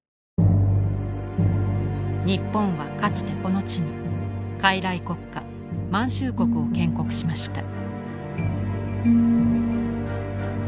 日本はかつてこの地に傀儡国家満州国を建国しました。